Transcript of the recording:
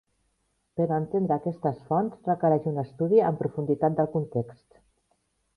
Però entendre aquestes fonts requereix un estudi amb profunditat del context.